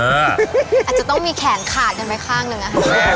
อาจจะต้องมีแขนขาดไปข้างนึงนะครับ